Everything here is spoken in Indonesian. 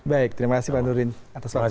baik terima kasih pak nurdin atas waktunya